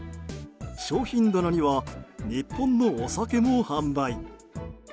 商品棚には、日本のお酒も販売。